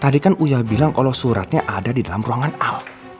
tadi kan uya bilang kalau suratnya ada di dalam ruangan a